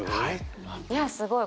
いやすごい。